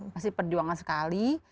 masih perjuangan sekali